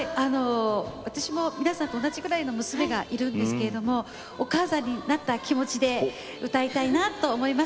私も皆さんと同じくらいの娘がいるんですけどお母さんになった気持ちで歌いたいなと思います。